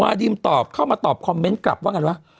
ดิมตอบเข้ามาตอบคอมเมนต์กลับว่าไงวะ